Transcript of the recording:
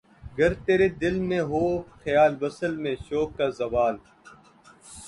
گر تیرے دل میں ہو خیال‘ وصل میں شوق کا زوال؟